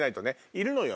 いるのよ